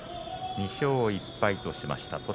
２勝１敗としました。